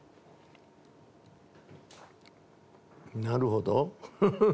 なるほど。